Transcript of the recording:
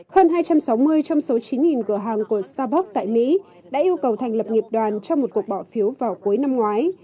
hơn hai trăm sáu mươi trong số chín cửa hàng của starbox tại mỹ đã yêu cầu thành lập nghiệp đoàn trong một cuộc bỏ phiếu vào cuối năm ngoái